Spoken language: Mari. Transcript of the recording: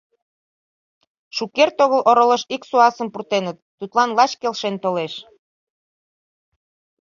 Шукерте огыл оролыш ик суасым пуртеныт, тудлан лач келшен толеш.